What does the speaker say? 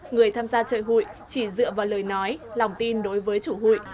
người tham gia chơi hụi chỉ dựa vào lời nói lòng tin đối với chủ hụi